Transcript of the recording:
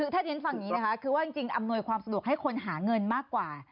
ถ้าที่ฉันฟังอย่างนี้นะคะคือว่าจริงอำนวยความสะดวกให้คนหาเงินมากกว่า